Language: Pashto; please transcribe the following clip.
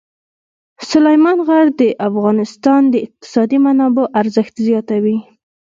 سلیمان غر د افغانستان د اقتصادي منابعو ارزښت زیاتوي.